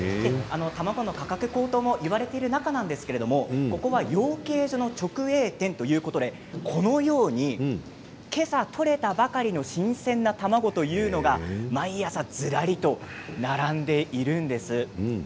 たまごの価格高騰が言われている中なんですがここは養鶏場の直営店ということでこのように今朝取れたばかりの新鮮なたまごというものが毎朝ずらりと並んでいるんです。